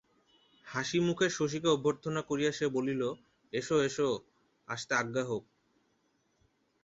হাসিমুখে শশীকে অভ্যর্থনা করিয়া সে বলিল, এসো এসো, আসতে আজ্ঞা হোক।